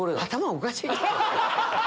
おかしい。